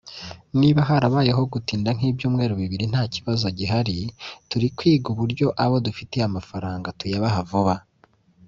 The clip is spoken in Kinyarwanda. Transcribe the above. niba harabayeho gutinda nk’ibyumweru bibiri ntakibazo gihari turi kwiga uburyo abo dufitiye amafaranga tuyabaha vuba”